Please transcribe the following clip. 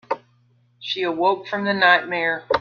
She awoke from the nightmare.